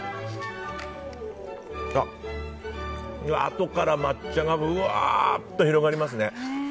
あとから抹茶がうわーっと広がりますね。